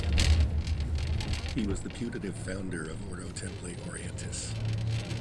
He was the putative founder of Ordo Templi Orientis.